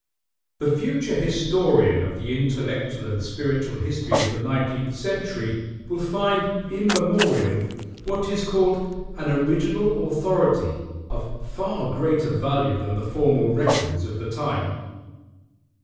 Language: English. The future historian of the intellectual and spiritual history of the nineteenth century will find "In Memoriam" what is called "an original authority" of far greater value than the formal records of the time.